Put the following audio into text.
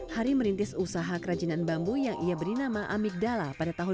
hari merintis usaha kerajinan bambu yang ia beri nama amik dala pada tahun dua ribu tiga belas